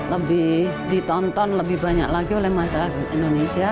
lebih ditonton lebih banyak lagi oleh masyarakat indonesia